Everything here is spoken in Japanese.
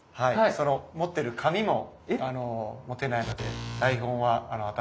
その持ってる紙も持てないので台本は頭に入れて。